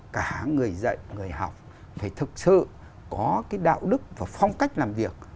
cả người dạy người học phải thực sự có cái đạo đức và phong cách làm việc